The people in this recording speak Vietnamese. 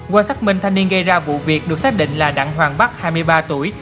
qua xác minh thanh niên gây ra vụ việc được xác định là đặng hoàng bắc hai mươi ba tuổi